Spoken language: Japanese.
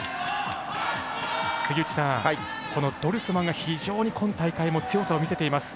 杉内さん、このドルスマンが非常に今大会も強さを見せています。